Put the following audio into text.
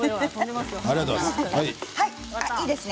いいですね